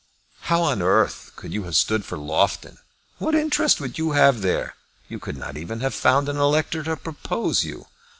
"How on earth could you have stood for Loughton? What interest would you have there? You could not even have found an elector to propose you."